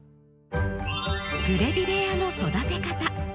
グレビレアの育て方。